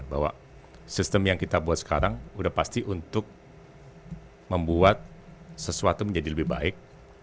bahwa sistem yang kita buat sekarang sudah pasti untuk membuat sesuatu menjadi lebih baik